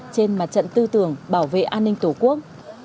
trên mặt trận tư tưởng bảo vệ an ninh tổ quốc